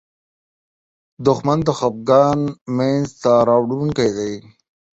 دښمن د خپګان مینځ ته راوړونکی دی